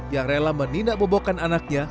yang rela menindak bobokkan anaknya